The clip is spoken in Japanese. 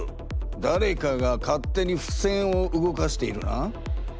だれかが勝手にふせんを動かしているな。